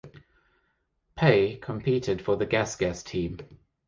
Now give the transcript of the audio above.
Puy competed for the Gas Gas team.